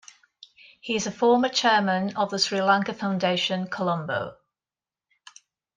He is a former Chairman of the Sri Lanka Foundation, Colombo.